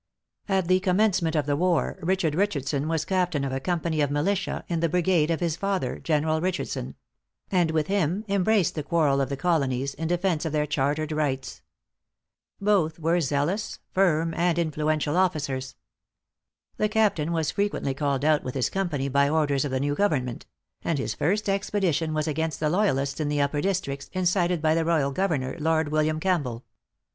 At the commencement of the war Richard Richardson was captain of a company of militia in the brigade of his father General Richardson; and with him embraced the quarrel of the Colonies, in defence of their chartered rights. Both were zealous, firm, and influential officers. The captain was frequently called out with his company by order of the new government; and his first expedition was against the loyalists in the upper districts, incited by the royal governor, Lord William Campbell.